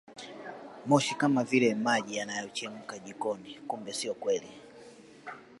Moshi kama vile maji yanayochemka jikoni kumbe sio kweli